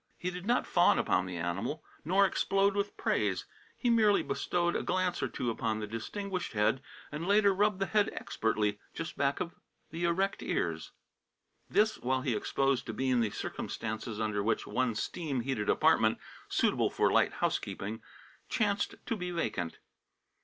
He did not fawn upon the animal nor explode with praise. He merely bestowed a glance or two upon the distinguished head, and later rubbed the head expertly just back of the erect ears; this, while he exposed to Bean the circumstances under which one steam heated apartment, suitable for light housekeeping, chanced to be vacant.